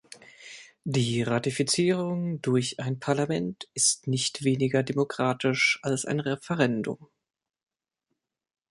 Die Ratifizierung durch ein Parlament ist nicht weniger demokratisch als ein Referendum.